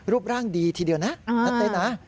รูปร่างดีทีเดียวนะนักเต้นนะ